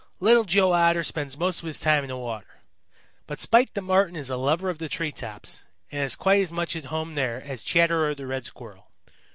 Little Joe Otter spends most of his time in the water. But Spite the Marten is a lover of the tree tops, and is quite as much at home there as Chatterer the Red Squirrel.